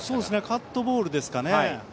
カットボールですかね。